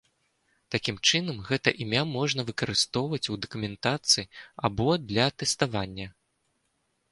Такім чынам гэта імя можна выкарыстоўваць у дакументацыі або для тэставання.